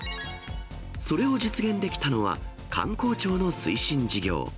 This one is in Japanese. それを実現できたのは、観光庁の推進事業。